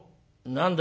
何だ？